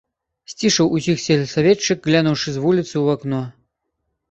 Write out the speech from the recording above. Сцішыў усіх сельсаветчык, глянуўшы з вуліцы ў акно.